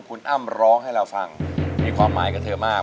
คุณอ้ำร้องให้เราฟังมีความหมายกับเธอมาก